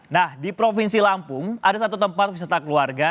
nah di provinsi lampung ada satu tempat wisata keluarga